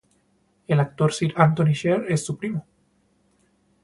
El actor Sir Antony Sher es su primo.